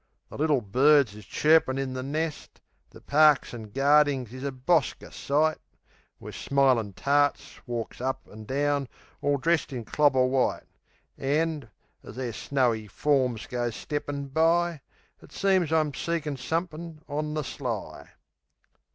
The little birds is chirpin' in the nest, The parks an' gardings is a bosker sight, Where smilin' tarts walks up an' down, all dressed In clobber white. An', as their snowy forms goes steppin' by, It seems I'm seekin' somethin' on the sly.